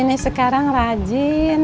ini sekarang rajin